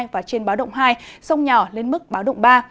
và trên báo động hai sông nhỏ lên mức báo động ba